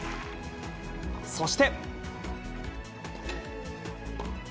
そして。